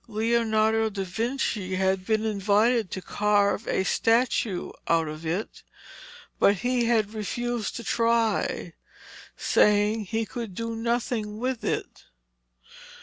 Leonardo da Vinci had been invited to carve a statue out of it, but he had refused to try, saying he could do nothing with it.